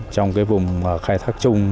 trong vùng khai thác chung